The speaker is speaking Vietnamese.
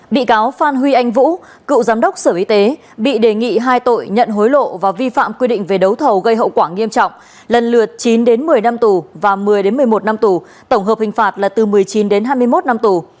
bị cáo phan huy anh vũ cựu giám đốc sở y tế bị đề nghị hai tội nhận hối lộ và vi phạm quy định về đấu thầu gây hậu quả nghiêm trọng lần lượt chín đến một mươi năm tù và một mươi một mươi một năm tù tổng hợp hình phạt là từ một mươi chín đến hai mươi một năm tù